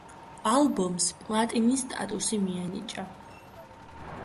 ალბომს პლატინის სტატუსი მიენიჭა.